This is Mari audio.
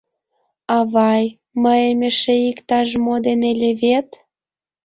— Авай, мыйым эше иктаж мо дене левед!